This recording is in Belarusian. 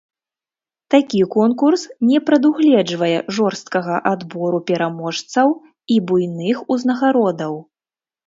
Такі конкурс не прадугледжвае жорсткага адбору пераможцаў і буйных узнагародаў.